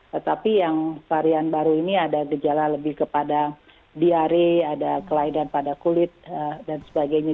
tetapi yang varian baru ini ada gejala lebih kepada diare ada kelainan pada kulit dan sebagainya